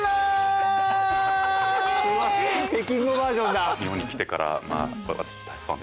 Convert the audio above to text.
北京語バージョンだ！